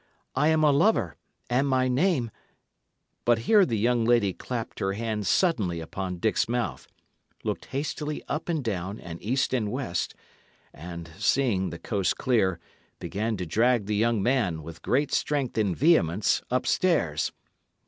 I am a lover, and my name " But here the young lady clapped her hand suddenly upon Dick's mouth, looked hastily up and down and east and west, and, seeing the coast clear, began to drag the young man, with great strength and vehemence, up stairs.